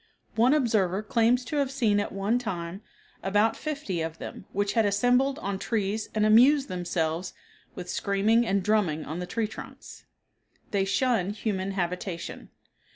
One observer claims to have seen at one time about fifty of them which had assembled on trees and amused themselves with screaming and drumming on the tree trunks. They shun human habitation.